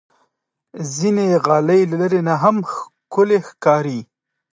ځینې غالۍ له لرې نه هم ښکلي ښکاري.